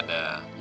nah aku mau